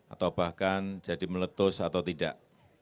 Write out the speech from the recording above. atau bahkan jadi meletus atau tidak